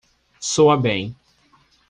Soa bem